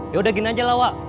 yaudah gini aja lah wak